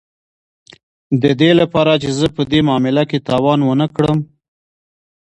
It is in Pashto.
د دې لپاره چې زه په دې معامله کې تاوان ونه کړم